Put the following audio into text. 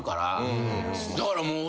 だからもうね。